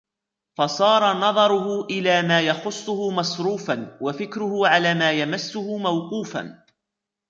فَصَارَ نَظَرُهُ إلَى مَا يَخُصُّهُ مَصْرُوفًا ، وَفِكْرُهُ عَلَى مَا يَمَسُّهُ مَوْقُوفًا